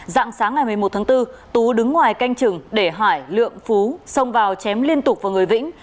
dạng sáng ngày một mươi một tháng bốn tú đứng ngoài canh chừng để hải lượng phú xông vào chém liên tục vào người vĩnh